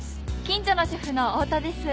近所の主婦の太田です。